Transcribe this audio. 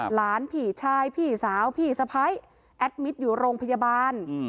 หลานพี่ชายพี่สาวพี่สะพ้ายแอดมิตรอยู่โรงพยาบาล